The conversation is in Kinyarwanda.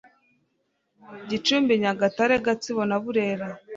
Gicumbi Nyagatare: Gatsibo na Burera